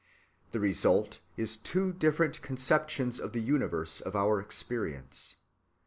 The result is two different conceptions of the universe of our experience.